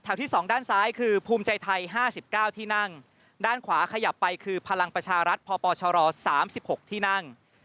ถัวที่สองด้านซ้ายคือภูมิใจไทยห้าสิบเก้าที่นั่งด้านขวาขยับไปคือพลังประชารัฐพปชรสามสิบหกที่นั่ง